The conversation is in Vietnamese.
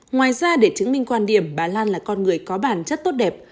ngoài ra để chứng minh quan điểm bà lan là con người có bản chất tốt đẹp